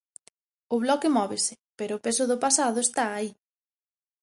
O Bloque móvese, pero o peso do pasado está aí.